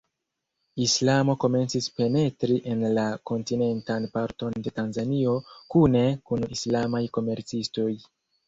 Islamo komencis penetri en la kontinentan parton de Tanzanio kune kun islamaj komercistoj.